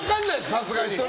さすがに。